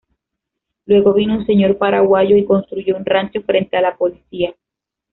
Luego vino un señor paraguayo y construyó un rancho frente a la policía.